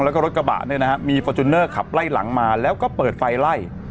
แล้วก็รถกระบะเนี่ยนะฮะมีฟอร์จูเนอร์ขับไล่หลังมาแล้วก็เปิดไฟไล่